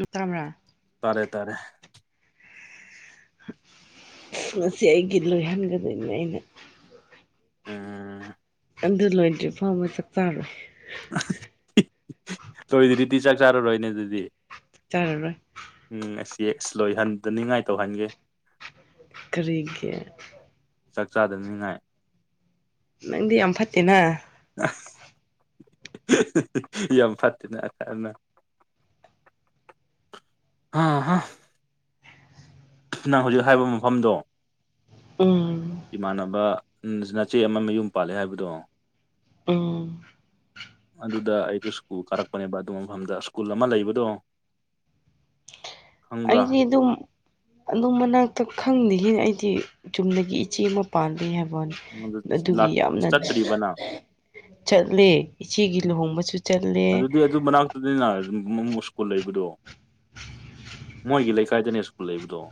ꯎꯝ ꯇꯥꯕ꯭ꯔꯥ ꯇꯥꯔꯦ ꯇꯥꯔꯦ ꯉꯁꯤ ꯑꯩꯒꯤ ꯂꯣꯏꯍꯟꯒꯗꯣꯏꯅꯦ ꯑꯩꯅ ꯎꯝ ꯑꯗꯨ ꯂꯣꯏꯗ꯭ꯔꯤ ꯐꯧꯕ ꯆꯥꯛ ꯆꯥꯔꯣꯏ ꯊꯣꯏꯗꯔꯤꯗꯤ ꯆꯥꯛ ꯆꯥꯔꯔꯣꯏꯅꯦ ꯑꯗꯨꯗꯤ ꯆꯥꯔꯔꯣꯏ ꯎꯝ ꯑꯁꯤ ꯑꯁ ꯂꯣꯏꯍꯟꯗꯅꯤꯡꯉꯥꯏ ꯇꯧꯍꯟꯒꯦ ꯀꯔꯤꯒꯤ ꯆꯥꯛ ꯆꯥꯗꯅꯤꯡꯉꯥꯏ ꯅꯪꯗꯤ ꯌꯥꯝ ꯐꯠꯇꯦꯅ ꯌꯥꯝ ꯐꯠꯇꯦꯅꯦ ꯈꯅ ꯍꯥ ꯍꯥ ꯅꯪ ꯍꯧꯖꯤꯛ ꯍꯥꯏꯕ ꯃꯐꯝꯗꯣ ꯎ ꯏꯃꯥꯟꯅꯕ ꯅꯆꯦ ꯑꯃ ꯃꯌꯨꯝ ꯄꯥꯜꯂꯦ ꯍꯥꯏꯕꯗꯣ ꯎꯝ ꯑꯗꯨꯗ ꯑꯩꯁꯨ ꯁ꯭ꯀꯨꯜ ꯀꯥꯔꯛꯄꯅꯦꯕ ꯑꯗꯨ‌ ꯃꯐꯝꯗ ꯁ꯭ꯀꯨꯜ ꯑꯃ ꯂꯩꯕꯗꯨ ꯑꯩꯗꯤ ꯑꯗꯨꯝ ꯑꯗꯨꯝ ꯃꯅꯥꯛꯇ ꯈꯪꯗꯉ ꯑꯩꯗꯤ ꯆꯨꯝꯗꯒꯤ ꯏꯆꯦ ꯑꯃ ꯄꯥꯜꯂꯤ ꯍꯥꯏꯕꯅꯤ ꯑꯗꯨ ꯑꯗꯨꯒꯤ ꯌꯥꯝꯅ ꯆꯠꯇ꯭ꯔꯤꯕꯅ ꯆꯠꯂꯦ ꯏꯆꯦꯒꯤ ꯎꯝ ꯂꯨꯍꯣꯡꯕꯁꯨ ꯆꯠꯂꯦ ꯑꯗꯨꯗꯤ ꯑꯗꯨ ꯃꯅꯥꯛꯇꯅꯤꯅ ꯁ꯭ꯀꯨꯜ ꯂꯩꯕꯗꯣ ꯃꯣꯏꯒꯤ ꯂꯩꯀꯥꯏꯗꯅꯦ ꯁ꯭ꯀꯨꯜ ꯂꯩꯕꯗꯣ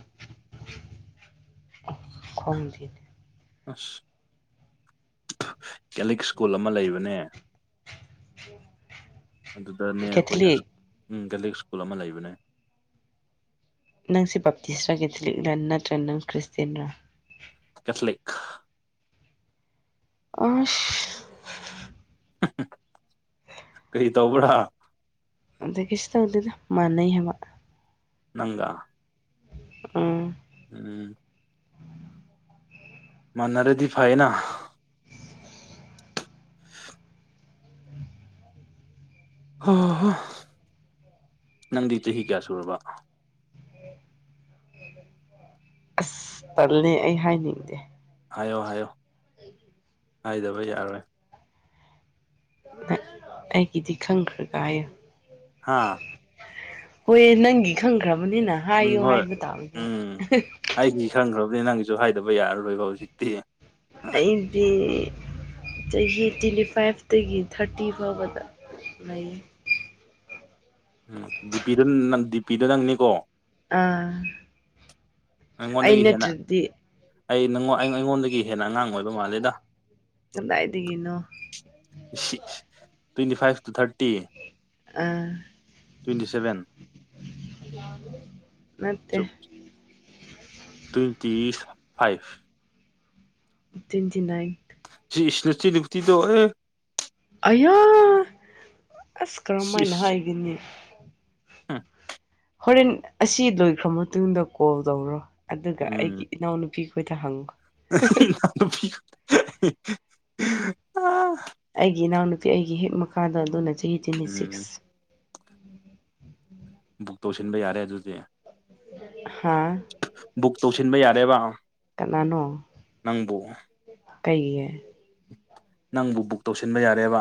ꯈꯣꯨꯝꯕꯤ ꯑꯁ ꯀꯦꯂꯤꯛ ꯁ꯭ꯀꯨꯜ ꯑꯃ ꯂꯩꯕꯅꯦ ꯑꯗꯨꯗꯅꯦ ꯑꯩꯈꯣꯏꯅ ꯎ ꯀꯦꯊꯂꯤꯛ ꯀꯦꯊꯂꯤꯛ ꯁ꯭ꯀꯨꯜ ꯑꯃ ꯂꯩꯕꯅꯦ ꯅꯪꯁꯦ ꯕꯞꯇꯤꯁꯔ ꯀꯦꯊꯂꯤꯛꯂꯥ ꯅꯠꯇ꯭ꯔꯒꯅ ꯅꯪ ꯈ꯭ꯔꯤꯁꯇꯦꯟꯔꯥ ꯀꯦꯊꯂꯤꯛ ꯑꯐ ꯀꯔꯤ ꯇꯧꯕ꯭ꯔꯥ ꯑꯗ ꯀꯩꯁꯨ ꯇꯧꯗꯦꯗ ꯃꯥꯟꯅꯩ ꯍꯥꯏꯕ ꯅꯪꯒꯥ ꯎꯝ ꯎꯝ ꯃꯥꯟꯅꯔꯗꯤ ꯐꯩꯌꯦꯅ ꯍ ꯍꯣ ꯅꯪꯗꯤ ꯆꯍꯤ ꯀꯌꯥ ꯁꯨꯔꯕ ꯇꯜꯂꯦ ꯑꯩ ꯍꯥꯏꯅꯤꯡꯗꯦ ꯍꯥꯏꯌꯣ ꯍꯥꯏꯌꯣ ꯍꯥꯏꯗꯕ ꯌꯥꯔꯣꯏ ꯑꯩꯒꯤꯗꯤ ꯈꯪꯈ꯭ꯔꯒ ꯍꯥꯏꯌꯨ ꯍꯥꯥ ꯍꯣꯏ ꯅꯪꯒꯤ ꯈꯪꯈ꯭ꯔꯕꯅꯤꯅ ꯎꯝ ꯍꯥꯏꯌꯣ ꯍꯣꯏ ꯍꯥꯏꯕ ꯇꯥꯕꯅꯦ ꯎꯝ ꯑꯩꯒꯤ ꯈꯪꯈ꯭ꯔꯕꯅꯤ ꯅꯪꯒꯤꯁꯨ ꯍꯥꯏꯗꯕ ꯌꯥꯔꯔꯣꯏꯕ ꯍꯧꯖꯤꯛꯇꯤ ꯑꯩꯗꯤ ꯆꯍꯤ ꯇ꯭ꯋꯦꯟꯇꯤ ꯐꯥꯏꯚꯇꯒꯤ ꯊꯥꯔꯇꯤ ꯐꯥꯎꯕꯗ ꯂꯩ ꯎꯝ ꯗꯤꯄꯤꯗ ꯗꯤꯄꯤꯗ ꯅꯪꯅꯤꯀꯣ ꯑꯥ ꯑꯩ ꯑꯩꯉꯣꯟꯗꯒꯤ ꯍꯦꯟꯅ ꯅꯠꯇ꯭ꯔꯗꯤ ꯑꯩ ꯑꯩꯉꯣꯟꯗꯒꯤ ꯍꯦꯟꯅ ꯑꯉꯥꯡ ꯑꯣꯏꯕ ꯃꯥꯜꯂꯦꯗ ꯀꯗꯥꯏꯗꯒꯤꯅꯣ ꯇ꯭ꯋꯦꯟꯇꯤ ꯐꯥꯏꯚ ꯇꯨ ꯊꯥꯔꯇꯤ ꯑꯥ ꯇ꯭ꯋꯦꯟꯇꯤ ꯁꯚꯦꯟ ꯃꯦ ꯇ꯭ꯋꯦꯟꯇꯤ ꯐꯥꯏꯚ ꯇ꯭ꯋꯦꯟꯇꯤ ꯅꯥꯏꯟ ꯁꯤ ꯏꯁꯅꯇꯤ ꯅꯨꯡꯛꯇꯤꯗꯣ ꯑꯣꯏ ꯑꯌꯥ ꯑꯁ ꯀꯔꯝ ꯍꯥꯏꯅ ꯍꯥꯏꯒꯅꯤ ꯍꯥꯝ ꯍꯣꯔꯦꯟ ꯑꯁꯤ ꯂꯣꯏꯈ꯭ꯔ ꯃꯇꯨꯡꯗ ꯀꯣꯜ ꯇꯧꯔꯣ ꯑꯗꯨꯒ ꯑꯩꯒꯤ ꯏꯅꯥꯎꯅꯨꯄꯤ ꯈꯣꯏꯇ ꯍꯪ ꯌꯥꯝ ꯄꯤ ꯑꯩꯒꯤ ꯏꯅꯥꯎꯅꯨꯄꯤ ꯑꯩꯒꯤ ꯍꯦꯛ ꯃꯈꯥꯗ ꯑꯗꯨꯅ ꯆꯍꯤ ꯇ꯭ꯋꯦꯟꯇꯤ ꯎꯝ ꯁꯤꯛꯁ ꯕꯨꯛ ꯇꯧꯁꯤꯟꯕ ꯌꯥꯔꯦ ꯑꯗꯨꯗꯤ ꯍꯥꯥ ꯕꯨꯛ ꯇꯧꯁꯤꯟꯕ ꯌꯥꯔꯦꯕ ꯀꯅꯥꯅꯣ ꯅꯪꯕꯨ ꯀꯩꯒꯤ ꯅꯪꯕꯨ ꯕꯨꯛ ꯇꯧꯁꯤꯟꯕ ꯌꯥꯔꯦꯕ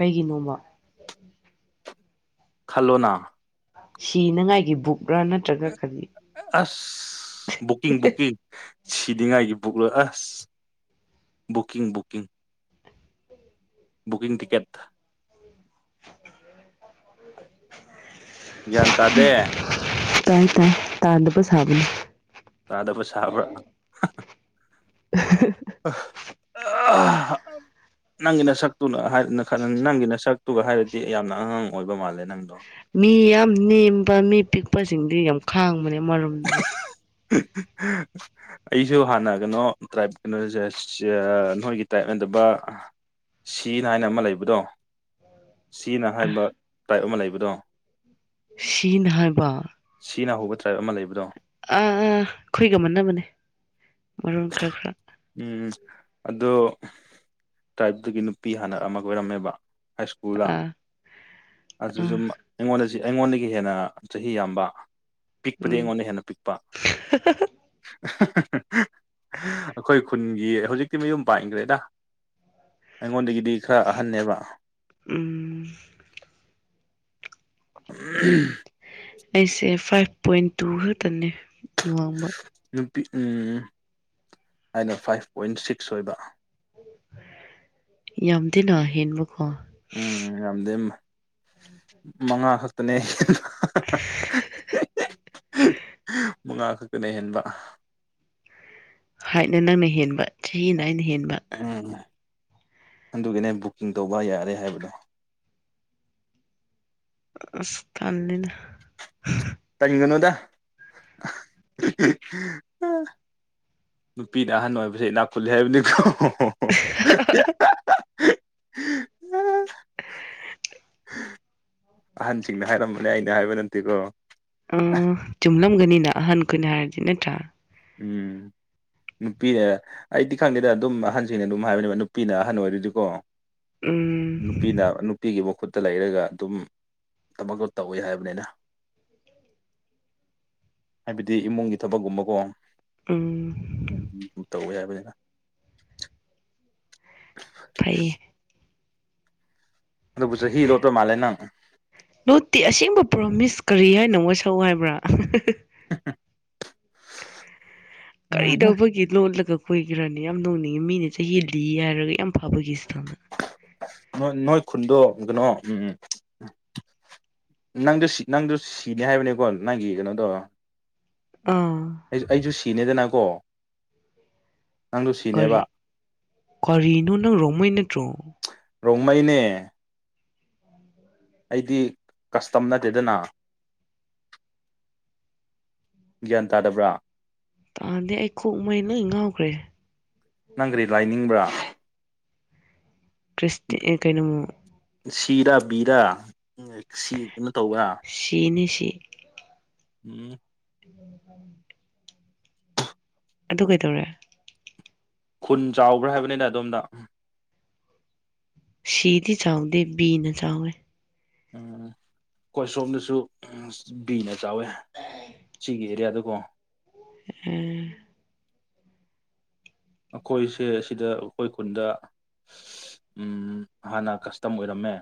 ꯀꯩꯒꯤꯅꯣꯃ ꯈꯜꯂꯣꯅꯥ ꯁꯤꯅꯉꯥꯏꯒꯤ ꯕꯨꯛ꯭ꯔꯥ ꯅꯠꯇ꯭ꯔꯒ ꯈꯗꯤ ꯑꯁ ꯕꯨꯀꯤꯡ ꯕꯨꯀꯤꯡ ꯁꯤꯗꯤꯉꯥꯏꯒꯤ ꯕꯨꯛꯂꯣ ꯑꯁ ꯕꯨꯀꯤꯡ ꯕꯨꯛꯀꯤꯡ ꯕꯨꯀꯤꯡ ꯇꯤꯀꯦꯠ ꯒꯟꯇꯥ ꯗꯦ ꯇꯥꯏ ꯇꯥꯏ ꯇꯥꯟꯗꯕꯁꯥꯅꯤ ꯇꯥꯗꯕ ꯁꯥꯕ꯭ꯔꯥ ꯑ ꯅꯪꯒꯤꯅ ꯁꯛꯇꯨꯅ ꯍꯥꯏꯅ ꯈ ꯅꯪꯒꯤꯅ ꯁꯛꯇꯨꯒ ꯍꯥꯏꯔꯗꯤ ꯌꯥꯝꯅ ꯑꯉꯥꯡ ꯑꯣꯏꯕ ꯃꯥꯜꯂꯦ ꯅꯪꯗꯣ ꯃꯤ ꯌꯥꯝ ꯅꯦꯝꯕ ꯃꯤ ꯄꯤꯛꯄꯁꯤꯡꯗꯤ ꯌꯥꯝ ꯈꯥꯡꯕꯅꯦ ꯃꯔꯣꯝꯗꯗꯤ ꯍ ꯑꯩꯁꯨ ꯍꯥꯟꯅ ꯀꯩꯅꯣ ꯇ꯭ꯔꯥꯏꯞ ꯀꯩꯅꯣꯁꯦ ꯅꯣꯏꯒꯤ ꯇ꯭ꯔꯥꯏꯞꯅꯗꯕ ꯁꯤꯅ ꯍꯥꯏꯅ ꯑꯃ ꯂꯩꯕꯗꯣ ꯁꯤꯅ ꯍꯥꯏꯕ ꯇꯥꯏꯞ ꯑꯃ ꯂꯩꯕꯗꯣ ꯁꯤꯅ ꯍꯥꯏꯕ ꯁꯤꯅ ꯍꯧꯕ ꯇ꯭ꯔꯥꯏꯞ ꯑꯃ ꯂꯩꯕꯗꯣ ꯑꯥ ꯑꯥ ꯑꯩꯈꯣꯏꯒꯃꯟꯅꯕꯅꯦ ꯃꯔꯣꯟ ꯈꯔ ꯈꯔ ꯎꯝ ꯑꯗꯨꯗꯣ ꯇ꯭ꯔꯥꯏꯞꯇꯒꯤ ꯅꯨꯄꯤ ꯍꯥꯟꯅ ꯑꯃ ꯑꯣꯏꯔꯝꯃꯦꯕ ꯍꯥꯏꯀꯨ ꯁ ꯄꯨꯗ ꯑꯥ ꯑꯗꯨꯁꯨ ꯑꯥ ꯑꯩꯉꯣꯟꯗ ꯑꯩꯉꯣꯟꯗꯒꯤ ꯍꯦꯟꯅ ꯆꯍꯤ ꯌꯥꯝꯕ ꯄꯤꯛꯄꯗꯤ ꯎꯝ ꯑꯩꯉꯣꯟꯗ ꯍꯦꯟꯅ ꯄꯤꯛꯄ ꯑꯩꯈꯣꯏ ꯈꯨꯟꯒꯤ ꯍꯧꯖꯤꯛꯇꯤ ꯃꯌꯨꯝ ꯄꯥꯡꯈ꯭ꯔꯦꯗ ꯑꯩꯉꯣꯟꯗꯒꯤꯗꯤ ꯈꯔ ꯑꯍꯟꯅꯦꯕ ꯎꯝ ꯎꯝ ꯎ ꯑꯩꯁꯦ ꯐꯥꯏꯚ ꯄꯣꯏꯟ ꯇꯨ ꯈꯛꯇꯅꯦ ꯋꯥꯡꯕ ꯅꯨꯄꯤ ꯎꯝ ꯑꯩꯅ ꯐꯥꯏꯚ ꯄꯣꯏꯟ ꯁꯤꯛꯁ ꯑꯣꯏꯕ ꯌꯥꯝ ꯊꯦꯅ ꯍꯦꯟꯕꯀꯣ ꯎꯝ ꯌꯥꯝꯝꯗꯦ ꯃꯉꯥ ꯈꯛꯇꯅꯦ ꯃꯉꯥ ꯈꯛꯇꯅ ꯍꯦꯟꯕ ꯍꯥꯏꯠꯅ ꯅꯪꯅ ꯍꯦꯟꯕ ꯆꯍꯤ ꯅꯥꯏꯅ ꯍꯦꯟꯕ ꯎꯝ ꯑꯗꯨꯒꯤꯅꯦ ꯕꯨꯛꯀꯤꯡ ꯇꯧꯕ ꯌꯥꯔꯦ ꯍꯥꯏꯕꯗꯣ ꯑ ꯊꯅꯤꯅ ꯇꯅꯤꯡꯒꯅꯨꯗ ꯅꯨꯄꯤꯅ ꯑꯍꯟ ꯑꯣꯏꯕꯁꯦ ꯏ ꯅꯥꯛꯀꯨꯜꯂ ꯍꯥꯏꯕꯅꯤꯀꯣ ꯎꯝ ꯑꯍꯟꯁꯤꯡꯅ ꯍꯥꯏꯔꯝꯕꯅꯦ ꯑꯩꯅ ꯍꯥꯏꯕ ꯅꯠꯇꯦꯀꯣ ꯆꯨꯝꯂꯝꯒꯅꯤꯅ ꯑꯍꯟꯈꯅ ꯍꯥꯏꯔꯗꯤ ꯅꯠꯇ꯭ꯔꯥ ꯎꯝ ꯅꯨꯄꯤꯅ ꯑꯩꯗꯤ ꯈꯪꯗꯦꯗ ꯑꯗꯨꯝ ꯑꯍꯟꯁꯤꯡꯅ ꯑꯗꯨꯝ ꯍꯥꯏꯕꯅꯦꯕ ꯅꯨꯄꯤꯅ ꯑꯍꯟ ꯑꯣꯏꯔꯗꯤꯀꯣ ꯅꯨꯄꯤꯅ ꯎꯝ ꯅꯨꯄꯤꯒꯤ ꯃꯈꯨꯠ ꯇ ꯂꯩꯔꯒ ꯑꯗꯨꯝ ꯊꯕ ꯇꯧꯋꯤ ꯍꯥꯏꯕꯅꯤꯅ ꯍꯥꯏꯕꯗꯤ ꯏꯃꯨꯡꯒꯤ ꯊꯕꯛꯒꯨꯝꯕꯀꯣ ꯑꯥ ꯎꯝꯝ ꯇꯧꯧꯕ ꯌꯥ ꯍꯥꯏꯕꯅꯤꯅ ꯐꯩꯌꯦ ꯑꯗꯨ ꯄꯨꯁ ꯍ ꯔꯣꯗꯔ ꯃꯥꯂꯦ ꯅ ꯅꯣꯠꯇꯤ ꯑꯁꯦꯡꯕ ꯄ꯭ꯔꯣꯃꯤꯁ ꯀꯔꯤ ꯍꯥꯏꯅ ꯑꯃ ꯋꯥ ꯁꯛ ꯍꯥꯏꯕ꯭ꯔꯥ [inaudible] ꯎꯝ ꯀꯔꯤꯗꯧꯕꯒꯤ ꯂꯣꯜꯂꯒ ꯑꯩꯈꯣꯏ ꯈꯔꯅꯦ ꯌꯥꯝ ꯅꯣꯡꯅꯤꯡꯉꯤ ꯃꯤꯅꯦ ꯆꯍꯤ ꯂꯤ ꯍꯥꯏꯔꯒ ꯌꯥꯝ ꯐꯕꯒꯤꯁꯤꯇꯪꯗ ꯅꯣꯏ ꯅꯣꯏ ꯈꯨꯟꯗꯣ ꯀꯩꯅꯣ ꯎꯝ ꯎꯝ ꯅꯪꯗꯨ ꯁꯤ ꯅꯪꯗꯨ ꯁꯤꯒꯦ ꯍꯥꯏꯕꯅꯤꯀꯣ ꯅꯪꯒꯤ ꯀꯩꯅꯣꯗꯣ ꯑꯥ ꯑꯩ ꯑꯩꯁꯨ ꯁꯤꯅꯦꯗꯅꯀꯣ ꯅꯪꯗꯨ ꯀꯔꯤ ꯁꯤꯅꯦꯕ ꯀꯔꯤꯅꯣꯅ ꯔꯣꯃꯦ ꯏꯅꯠꯇꯔꯣ ꯔꯣꯡꯃꯩꯅꯦ [inaudible] ꯑꯩꯗꯤ ꯀꯁꯇꯝ ꯅꯠꯇꯦꯗꯅ ꯒ꯭ꯌꯥꯟ ꯇꯥꯗꯕ꯭ꯔꯥ ꯑꯗꯗꯤ ꯑꯩ ꯀꯣꯛ ꯃꯩ ꯅꯣꯏ ꯉꯥꯎꯈ꯭ꯔꯦ ꯅꯪꯒꯔꯤ ꯂꯥꯏꯅꯤꯡꯕ꯭ꯔꯥ ꯀ꯭ꯔꯤꯁꯇ ꯀꯩꯅꯣꯃꯣ ꯁꯤꯔꯥ ꯕꯤꯔ ꯁꯤ ꯀꯩꯅꯣ ꯇꯧꯕ꯭ꯔꯥ ꯁꯤꯅꯤ ꯁꯤ ꯎꯝ [inaudible] [inaudible] ꯑꯗꯨ ꯀꯩꯗꯧꯔꯦ ꯈꯨꯟ ꯆꯥꯎꯕ꯭ꯔꯥ ꯍꯥꯏꯕꯅꯤꯅ ꯑꯗꯣꯝꯗ ꯁꯤꯗꯤ ꯆꯥꯎꯗꯦ ꯕꯤꯅ ꯆꯥꯎꯋꯦ ꯀꯣꯏꯁꯣꯝꯗꯁꯨ ꯕꯤꯅ ꯆꯥꯎꯋꯦ ꯒꯤ ꯑꯦꯔꯤꯌꯥ ꯑꯗꯨꯀꯣ ꯎꯝ ꯑꯩꯈꯣꯏꯁꯦ ꯑꯁꯤꯗ ꯑꯩꯈꯣꯏ ꯈꯨꯟꯗ ꯎꯝ ꯍꯥꯟꯅ ꯀꯁꯇꯝ ꯑꯣꯏꯔꯝꯃꯦ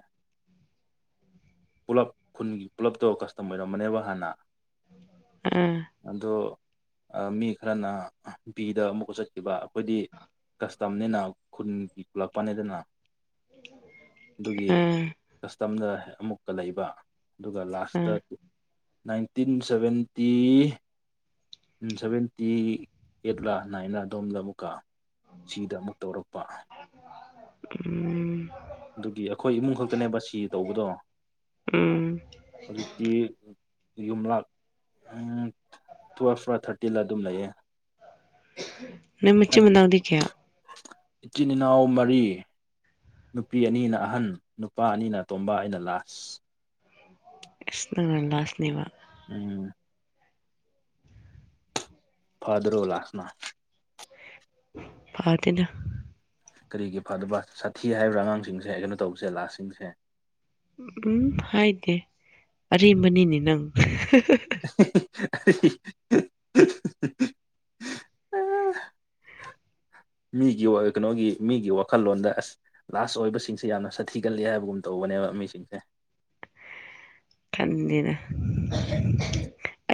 ꯄꯨꯜꯂꯞ ꯈꯨꯟꯒꯤ ꯄꯨꯜꯂꯞ ꯇꯧꯕ ꯀꯁꯇꯝ ꯑꯣꯏꯔꯝ ꯑꯃꯅꯦꯕ ꯍꯥꯟꯅ ꯑꯝ ꯑꯗꯣ ꯃꯤ ꯈꯔꯅ ꯕꯤꯗ ꯑꯃꯨꯛꯀ ꯆꯠꯈꯤꯕ ꯑꯩꯈꯣꯏꯗꯤ ꯀꯁꯇꯝꯅꯤꯅ ꯈꯨꯟꯒꯤ ꯄꯨꯂꯛꯄꯅꯦꯗꯅ ꯑꯗꯨꯒꯤ ꯑ ꯀꯁꯇꯝꯗ ꯑꯃꯨꯛꯀ ꯂꯩꯕ ꯑꯗꯨꯒ ꯑ ꯂꯥꯁꯇ ꯅꯥꯏꯟꯇꯤꯟ ꯁꯕꯦꯟꯇꯤ ꯁꯚꯦꯟꯇꯤ ꯑꯩꯠꯂꯥ ꯅꯥꯏꯟꯂ ꯑꯗꯣꯝꯗ ꯑꯃꯨꯛꯀ ꯁꯤꯗ ꯑꯃꯨꯛ ꯇꯧꯔꯛꯄ ꯎꯝ ꯑꯗꯨꯒꯤ ꯑꯩꯈꯣꯏ ꯏꯃꯨꯡ ꯈꯛꯇꯅꯦꯕ ꯁꯤ ꯇꯧꯕꯗꯣ ꯎꯝ ꯑꯗꯨ ꯇꯤ ꯌꯨꯝꯂꯛ ꯇꯨꯋꯦꯜꯐ ꯔ ꯊꯥꯔꯇꯤꯗ ꯑꯗꯨꯝ ꯂꯩꯌꯦ ꯅꯪ ꯃꯆꯤꯟ ꯃꯅꯥꯎꯗꯤ ꯀꯌꯥ ꯏꯆꯤꯟ ꯏꯅꯥꯎ ꯃꯔꯤ ꯅꯨꯄꯤ ꯑꯅꯤꯅ ꯑꯍꯟ ꯅꯨꯄꯥ ꯑꯅꯤꯅ ꯇꯣꯝꯕ ꯑꯩꯅ ꯂꯥꯁ ꯁꯤ ꯇꯪꯅ ꯂꯁꯅꯦꯕ ꯎꯝ ꯐꯗ꯭ꯔꯣ ꯂꯥꯛꯅ ꯐꯥꯗꯅ ꯀꯔꯤꯒꯤ ꯐꯗꯕ ꯁꯥꯊꯤ ꯍꯥꯏꯕ꯭ꯔꯥ ꯑꯉꯥꯡꯁꯤꯡꯁꯦ ꯀꯩꯅꯣ ꯇꯧꯕꯁꯦ ꯂꯥꯁꯁꯤꯡꯁꯦ ꯎꯝ ꯍꯥꯏꯗꯦ ꯑꯦꯝꯕꯅꯤꯅꯦ ꯅꯪ [inaudible] [unintelligible] ꯃꯤꯒꯤ ꯀꯩꯅꯣꯒꯤ ꯃꯤꯒꯤ ꯋꯥꯈꯜꯂꯣꯟꯗ ꯑꯁ ꯂꯥꯁ ꯑꯣꯏꯕꯁꯤꯡꯁꯦ ꯌꯥꯝꯅ ꯁꯥꯊꯤꯒꯜꯂꯤ ꯍꯥꯏꯕꯒꯨꯝ ꯇꯧꯕꯅꯦꯕ ꯃꯤꯁꯤꯡꯁꯦ ꯈꯟꯗꯦꯅ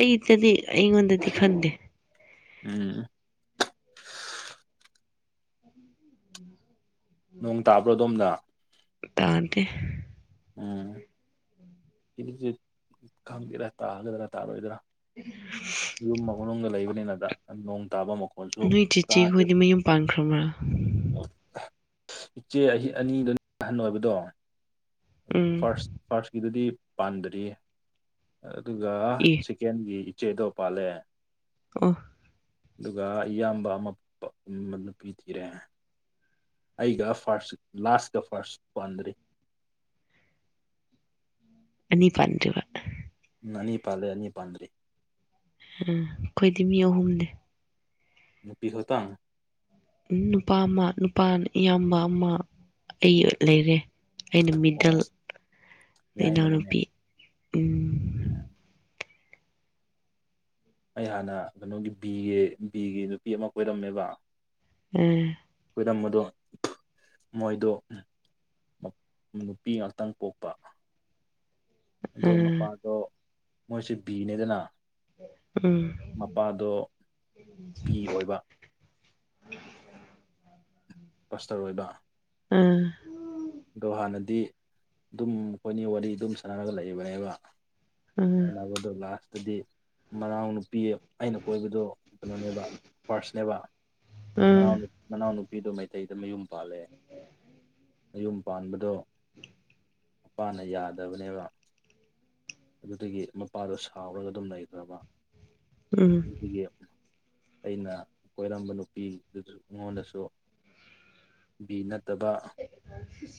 ꯑꯩꯗꯗꯤ ꯑꯩꯉꯣꯟꯗꯗꯤ ꯈꯟꯗꯦ ꯎꯝ [unintelligible] ꯅꯣꯡ ꯇꯥꯕ꯭ꯔꯣ ꯑꯗꯣꯝꯅ ꯇꯗꯤ ꯎꯝ ꯈꯪꯒꯦꯔꯥ ꯇꯥꯒꯗ꯭ꯔꯥ ꯇꯥꯔꯣꯏꯗ꯭ꯔꯥ ꯌꯨꯝ ꯑꯃ ꯃꯅꯨꯡꯗꯅꯨꯡ ꯂꯩꯕꯅꯤꯅꯗ ꯅꯣꯡ ꯇꯥꯕ ꯑꯃ ꯅꯣꯏ ꯆꯤꯆꯦꯈꯣꯏꯗꯤ ꯃꯌꯨꯝ ꯄꯥꯟꯈ꯭ꯔꯕ꯭ꯔꯥ ꯏꯆꯦ ꯑ ꯑꯅꯤꯗꯨ ꯑꯍꯟ ꯑꯣꯏꯕꯗꯣ ꯎꯝ ꯐꯥꯔꯁ ꯐꯥꯔꯁꯀꯤꯗꯗꯤ ꯄꯥꯟꯗ꯭ꯔꯤ ꯑꯗꯨꯒ ꯑꯦ ꯆꯤꯛꯀꯦꯟꯒꯤ ꯏꯆꯦꯗꯣ ꯄꯥꯜꯂꯦ ꯑꯣꯐ ꯑꯗꯨꯒ ꯏꯌꯥꯝꯕ ꯑꯃ ꯅꯨꯄꯤ ꯊꯤꯔꯦ ꯑꯩꯒ ꯐꯥꯔꯁ ꯂꯥꯁꯀ ꯐꯥꯔꯁ ꯄꯥꯟꯗ꯭ꯔꯤ ꯑꯅꯤ ꯄꯟꯗꯔ꯭ꯤꯕ ꯎꯝ ꯑꯅꯤ ꯄꯥꯜꯂꯦ ꯑꯅꯤ ꯄꯥꯟꯗ꯭ꯔꯤ ꯑꯩꯈꯣꯏꯗꯤ ꯃꯤ ꯑꯍꯨꯝꯅꯦ ꯅꯨꯄꯤ ꯈ ꯇ ꯅꯨꯄꯥ ꯑꯃ ꯅꯨꯄꯥ ꯏꯌꯥꯝꯕ ꯑꯃ ꯑꯩ ꯂꯩꯔꯦ ꯑꯩꯅ ꯑꯣ ꯃꯤꯗꯜ ꯌꯥꯏꯃꯅꯤꯅꯦ ꯏꯅꯥꯎꯅꯨꯄꯤ ꯎꯝ ꯎꯝ ꯑꯩ ꯍꯥꯟꯅ ꯀꯩꯅꯣꯒꯤ ꯕꯤꯒꯤ ꯕꯤꯒꯤ ꯅꯨꯄꯤ ꯑꯃ ꯀꯣꯏꯔꯝꯃꯦꯕ ꯎꯝ ꯈꯨꯈꯗꯝ ꯑꯗꯣ ꯃꯣꯏꯗꯣ ꯅꯨꯄꯤ ꯉꯥꯛꯇꯪ ꯄꯣꯛꯄ ꯑꯗꯣ ꯑ ꯃꯄꯥꯗꯣ ꯃꯣꯏꯁꯦ ꯕꯤꯅꯦꯗꯅ ꯎꯝ ꯃꯄꯥꯗꯣ ꯐꯤ ꯑꯣꯏꯕ ꯄꯁꯇꯔ ꯑꯣꯏꯕ ꯎꯝ ꯑꯗꯣ ꯍꯥꯟꯅꯗꯤ ꯑꯗꯨꯝ ꯑꯩꯈꯣꯏꯅꯤ ꯋꯥꯔꯤ ꯑꯗꯨꯝ ꯁꯥꯟꯅꯔꯒ ꯂꯩꯏꯕꯅꯦꯕ ꯎꯝ ꯇꯕꯗꯣ ꯂꯥꯁꯇꯗꯤ ꯃꯅꯥꯎ ꯅꯨꯄꯤ ꯑꯩꯅ ꯀꯣꯏꯕꯗꯣ ꯀꯩꯅꯣꯅꯦꯕ ꯄꯥꯔꯁꯅꯦꯕ ꯑ ꯃꯅꯥꯎ ꯃꯅꯥꯎꯅꯨꯄꯤꯗꯣ ꯃꯩꯇꯩꯗ ꯃꯌꯨꯝ ꯄꯥꯜꯂꯦ꯫ ꯃꯌꯨꯝ ꯄꯥꯟꯕꯗꯣ ꯃꯄꯥꯅ ꯌꯥꯗꯕꯅꯦꯕ꯫ ꯑꯗꯨꯗꯒꯤ ꯃꯄꯥꯗꯣ ꯁꯥꯎꯔꯒ ꯑꯗꯨꯝ ꯂꯩꯈ꯭ꯔꯕ ꯎꯝ ꯑꯗꯒꯤ ꯑꯩꯅ ꯀꯣꯏꯔꯝꯕ ꯅꯨꯄꯤꯗꯨꯁꯨ ꯑꯩꯉꯣꯟꯗꯁꯨ ꯕꯤ ꯅꯠꯇꯕ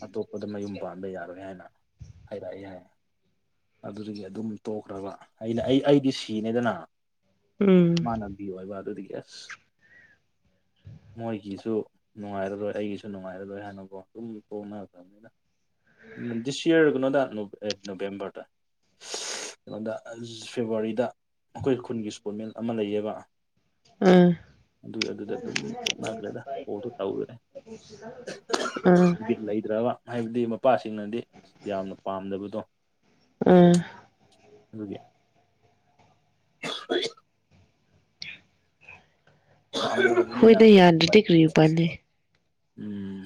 ꯑꯇꯣꯞꯄꯗ ꯃꯌꯨꯝ ꯄꯥꯟꯕ ꯌꯥꯔꯣꯏ ꯍꯥꯏꯅ ꯍꯥꯏꯔꯛꯑꯦ ꯍꯥꯏ ꯑꯗꯨꯗꯨꯒꯤ ꯑꯗꯨꯝ ꯇꯣꯛꯈ꯭ꯔꯕ ꯑꯩꯅ ꯑꯩ ꯑꯩꯗꯤ ꯁꯤꯅꯦꯗꯅ ꯎꯝ ꯃꯥꯅ ꯋꯥꯣꯏ ꯋꯥꯗꯨꯗꯤ ꯀꯁ [unintelligible] [inaudible] ꯃꯣꯏꯒꯤꯁꯨ ꯅꯨꯡꯉꯥꯏꯔꯔꯣꯏ ꯑꯩꯒꯤꯁꯨ ꯅꯨꯡꯉꯥꯏꯔꯔꯣꯏ ꯍꯥꯏꯅꯕꯨꯣ ꯑꯗꯨꯝ ꯀꯣꯛꯅꯔꯛꯇꯕꯅꯤꯅ ꯗꯤꯁ ꯏꯌꯔꯒꯅꯣꯗ ꯅꯣ ꯅꯣꯕꯦꯝꯕꯔꯗ ꯀꯩꯅꯣꯗ ꯐꯦꯕꯋꯥꯔꯤꯗ ꯑꯩꯈꯣꯏ ꯈꯨꯟꯒꯤ ꯏꯁꯄꯣꯔꯠꯃꯦꯟ ꯑꯃ ꯂꯩꯌꯦꯕ꯫ ꯎꯝ ꯑꯗꯨꯗ ꯑꯗꯨꯗ ꯑꯗꯨꯝ ꯊꯣꯛꯣꯛꯅꯈ꯭ꯔꯦꯗ ꯀꯣꯗꯣ ꯇꯦꯗꯔꯦ ꯑꯥ ꯕꯤꯠ ꯂꯩꯇ꯭ꯔꯕ ꯍꯥꯏꯕꯗꯤ ꯃꯄꯥꯁꯤꯡꯅꯗꯤ ꯌꯥꯝꯅ ꯄꯥꯝꯗꯕꯗꯣ ꯎꯝ ꯑꯗꯨꯒꯤ [unintelligible] ꯍꯣꯏꯗ ꯀꯔꯤ ꯎꯄꯥꯏ ꯌꯥꯗ꯭ꯔꯗꯤ ꯀꯔꯤ ꯎꯄꯥꯢ ꯂꯩ ꯎꯝ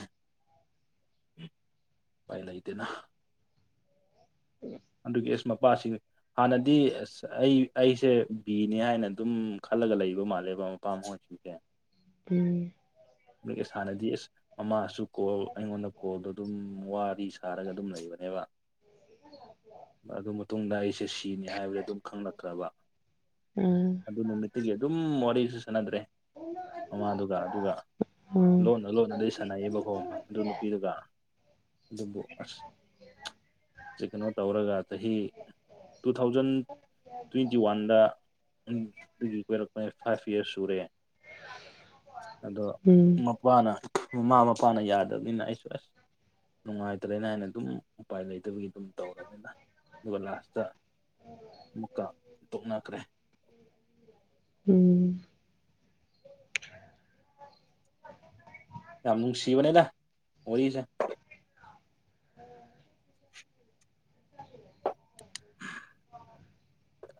ꯄꯥꯏ ꯂꯩꯇꯦꯅ [inaudible] ꯑꯗꯨꯒꯤ ꯑꯦꯁ ꯃꯄꯥꯁꯤ ꯍꯥꯟꯅꯗꯤ ꯑꯁ ꯑꯩ ꯑꯩꯁꯦ ꯕꯤꯅꯦ ꯍꯥꯏꯅ ꯑꯗꯨꯝ ꯈꯜꯂꯒ ꯂꯩꯕ ꯃꯥꯜꯂꯦꯕ ꯃꯄꯥꯝ [unintelligible] ꯎꯝ ꯏꯁ ꯍꯟꯅꯗꯤ ꯏꯁ ꯃꯃꯥꯁꯨ ꯀꯣꯜ ꯑꯩꯉꯣꯟꯗ ꯀꯣꯜꯗꯣ ꯑꯗꯨꯝ ꯋꯥꯔꯤꯗꯤ ꯁꯥꯔꯒ ꯑꯗꯨꯝ ꯂꯩꯕꯅꯦꯕ꯫ ꯑꯗꯨ ꯃꯇꯨꯡꯗ ꯑꯩꯁꯦ ꯁꯤ ꯁꯤꯅꯤ ꯍꯥꯏꯕꯗ ꯑꯗꯨꯝ ꯈꯪꯂꯛꯇ꯭ꯔꯕ ꯑꯥ ꯑꯗꯨ ꯅꯨꯃꯤꯠꯇꯨꯒꯤ ꯑꯗꯨꯝ ꯋꯥꯔꯤꯁꯨ ꯁꯥꯟꯅꯗ꯭ꯔꯦ ꯃꯃꯥꯗꯨꯒ ꯑꯗꯨꯒ ꯑꯥ ꯂꯣꯇꯅꯥ ꯂꯣꯇꯅꯥꯗ ꯁꯥꯟꯅꯩꯑꯕ ꯑꯗꯨ ꯅꯨꯄꯤꯗꯨꯒ ꯑꯗꯨꯕꯨ ꯑꯁ ꯀꯩꯅꯣ ꯇꯧꯔꯒ ꯆꯍꯤ ꯇꯨ ꯊꯥꯎꯖꯟ ꯇ꯭ꯋꯦꯟꯇꯤ ꯋꯥꯟꯗꯗꯒꯤ ꯑꯣꯏꯣꯏꯔꯛꯄ ꯐꯥꯏꯚ ꯌꯔꯁ ꯁꯨꯔꯦ꯫ ꯑꯗꯣ ꯎꯝ ꯃꯄꯥꯅ ꯃꯃꯥ ꯃꯄꯥꯅ ꯌꯥꯗꯕꯅꯤꯅ ꯑꯩꯁꯨ ꯑꯁ ꯅꯨꯡꯉꯥꯏꯇ ꯂꯩꯅ ꯍꯥꯏꯅ ꯑꯗꯨꯝ ꯎꯄꯥꯏ ꯂꯩꯇꯕꯒꯤ ꯑꯗꯨꯝ ꯇꯧꯅꯤꯅ ꯑꯗꯨꯒ ꯂꯥꯁꯇ ꯑꯃꯨꯛꯀ ꯇꯣꯛꯅꯈ꯭ꯔꯦ ꯎꯝ ꯌꯥꯝꯅꯨꯡꯁꯤꯕꯅꯦꯗ ꯑꯣꯔꯤꯁꯦ ꯎ [inaudible] [inaudible]